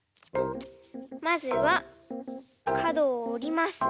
まずはかどをおります。